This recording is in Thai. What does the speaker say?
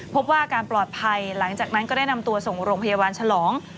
พบว่าอาการปลอดภัยหลังจากนั้นก็ได้นำตัวส่งโรงพยาบาลฉลอง